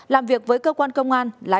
làm việc với cơ quan công an